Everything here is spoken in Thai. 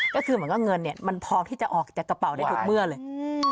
ก็คือเหมือนว่าเงินเนี่ยมันพอที่จะออกจากกระเป๋าได้ทุกเมื่อเลย